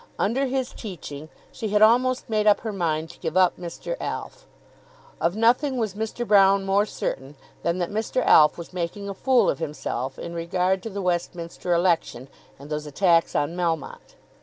Under his teaching she had almost made up her mind to give up Mr. Alf. Of nothing was Mr. Broune more certain than that Mr. Alf was making a fool of himself in regard to the Westminster election and those attacks on Melmotte.